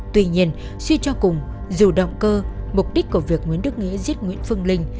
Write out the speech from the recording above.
tuy nhiên suy cho cùng dù động cơ mục đích của việc nguyễn đức nghĩa giết nguyễn phương linh